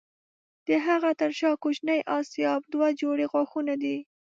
د هغه تر شا کوچني آسیاب دوه جوړې غاښونه دي.